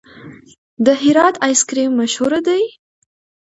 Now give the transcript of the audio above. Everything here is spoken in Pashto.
د هرات آیس کریم مشهور دی؟